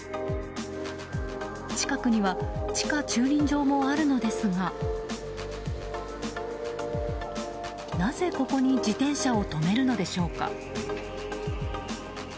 近くには地下駐輪場もあるのですがなぜここに自転車を止めるのでしょうか。